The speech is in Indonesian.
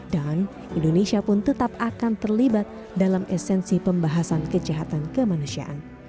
dan indonesia pun tetap akan terlibat dalam esensi pembahasan kejahatan kemanusiaan